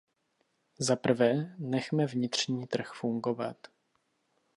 Za prvé, nechme vnitřní trh fungovat.